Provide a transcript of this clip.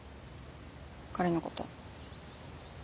彼のこと。